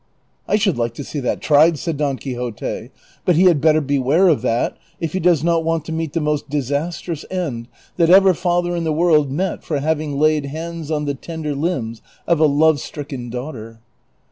'' I should like to see that tried," said Don Quixote ;" but he had better beware of that, if he does not want to meet the most disastrous end that ever father in the world met for having laid hands on the tender limbs of a love stricken daughter."